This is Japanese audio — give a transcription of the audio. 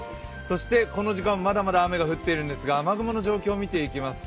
この時間、まだまだ雨が降っているんですが、雨雲の状況を見ていきます。